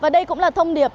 và đây cũng là thông điệp